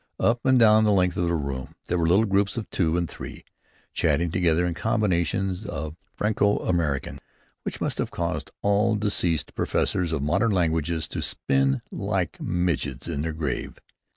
Up and down the length of the room there were little groups of two and three, chatting together in combinations of Franco American which must have caused all deceased professors of modern languages to spin like midges in their graves.